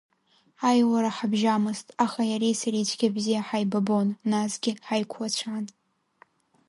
Аиуара ҳабжьамызт, аха иареи сареи цәгьа бзиа ҳаибабон, насгьы ҳаиқәлацәан.